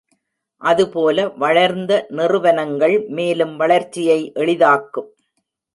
அதுபோல வளர்ந்த நிறுவனங்கள் மேலும் வளர்ச்சியை எளிதாக்கும்.